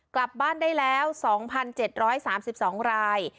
กลับบ้านได้แล้ว๒๗๓๒ราย